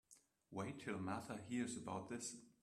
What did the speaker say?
Wait till Martha hears about this.